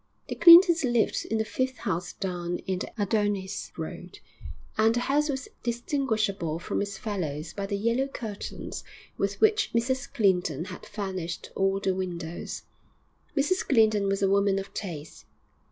The Clintons lived in the fifth house down in the Adonis Road, and the house was distinguishable from its fellows by the yellow curtains with which Mrs Clinton had furnished all the windows. Mrs Clinton was a woman of taste.